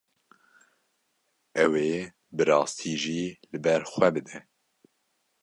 Ew ê bi rastî jî li ber xwe bide.